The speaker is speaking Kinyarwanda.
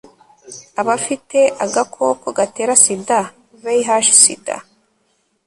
abafite agakoko gatera sida vih sida